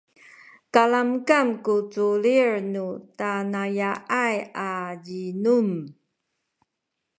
kalamkam ku culil nu tanaya’ay a zinum